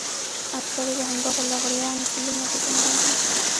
اکثره يې د همدغو لغړیانو په لومه کې بندېږي.